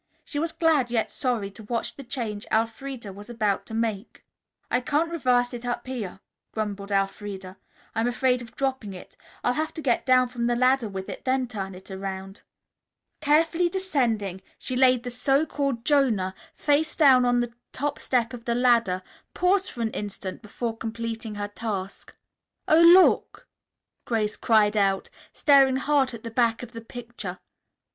She was glad yet sorry to watch the change Elfreda was about to make. "I can't reverse it up here," grumbled Elfreda. "I'm afraid of dropping it. I'll have to get down from the ladder with it, then turn it around." Carefully descending, she laid the so called Jonah face down on the top step of the ladder, paused for an instant before completing her task. "Oh, look!" Grace cried out, staring hard at the back of the picture.